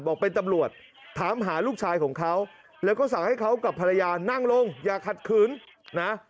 บอกเป็นตำรวจถามหาลูกชายของเขาแล้วก็สั่งให้เขากับภรรยานั่งลงอย่าขัดขืนนะ